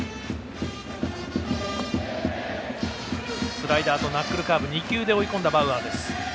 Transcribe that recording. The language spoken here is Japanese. スライダーとナックルカーブ２球で追い込みました、バウアー。